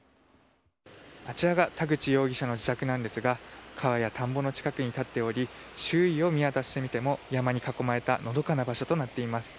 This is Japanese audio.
あちらが田口容疑者の自宅なんですが川や田んぼの近くに立っており周囲を見渡してみても山に囲まれたのどかな場所となっています。